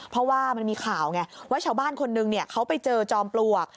เพราะว่ามันมีข่าวไงว่าชาวบ้านคนนึงเขาไปเจอจอมปลวก